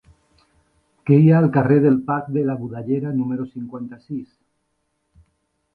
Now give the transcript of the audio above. Què hi ha al carrer del Parc de la Budellera número cinquanta-sis?